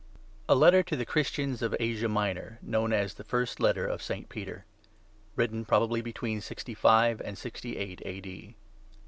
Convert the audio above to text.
A LETTER TO THE CHRISTIANS OF ASIA MINOR. (KNOWN AS 'THE FIRST LETTER OF ST. PETER'). WRITTEN PROBABLY BETWEEN 65 AND 68 A.D.